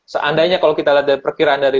seandainya kalau kita lihat dari perkiraan dari